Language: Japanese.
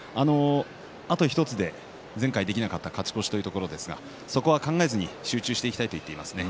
あと１つで前回できなかった勝ち勝ち越しですがそこは考えないで集中していきたいと話しています。